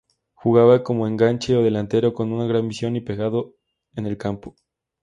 Jugaba como enganche o delantero con gran visión y pegada en el campo.